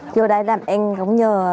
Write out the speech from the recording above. vô đây làm anh